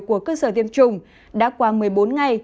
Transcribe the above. của cơ sở tiêm chủng đã qua một mươi bốn ngày